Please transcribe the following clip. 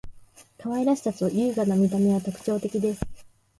可愛らしさと優雅な見た目は特徴的です．